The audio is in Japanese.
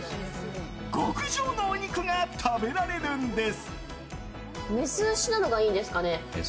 極上のお肉が食べられるんです。